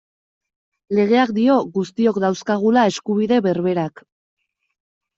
Legeak dio guztiok dauzkagula eskubide berberak.